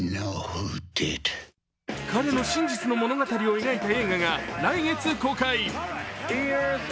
彼の真実の物語を描いた映画が来月公開。